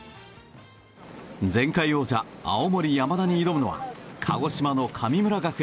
前回王者・青森山田に挑むのは鹿児島の神村学園。